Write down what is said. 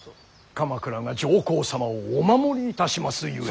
鎌倉が上皇様をお守りいたしますゆえ。